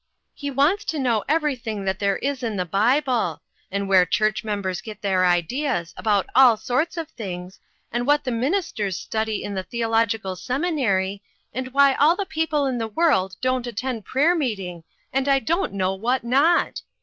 He wants to know every thing that there is in the Bible ; and where BUD AS A TEACHER. 309 church members get their ideas about all sorts of things, and what the ministers study in the theological seminary, and why all the people in the world don't attend prayer meeting, and I don't know what not